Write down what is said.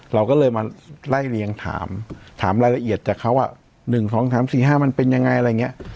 เราก็เลยมาไล่เรียงถามถามรายละเอียดจากเขาว่า๑๒๓๔๕มันเป็นยังไงอะไรอย่างนี้